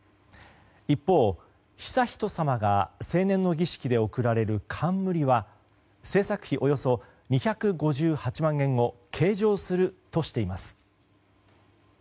一方、悠仁さまが成年の儀式で贈られる冠は製作費およそ２５８万円を計上するとしています。